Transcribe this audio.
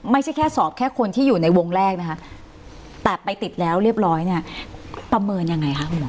ไม่ใช่แค่สอบแค่คนที่อยู่ในวงแรกนะคะแต่ไปติดแล้วเรียบร้อยเนี่ยประเมินยังไงคะคุณหมอ